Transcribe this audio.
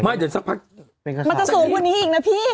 มันจะสูงพอนี้อีกนะพี่